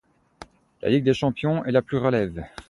La Ligue des Champions est la plus relev